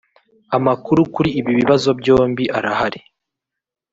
Amakuru kuri ibi bibazo byombi arahari